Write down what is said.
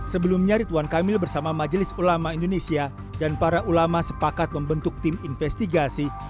sebelumnya ridwan kamil bersama majelis ulama indonesia dan para ulama sepakat membentuk tim investigasi